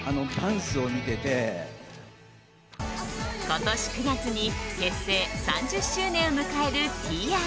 今年９月に結成３０周年を迎えるＴＲＦ。